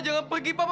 jangan pergi papa